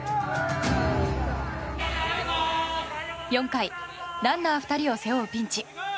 ４回ランナー２人を背負うピンチ。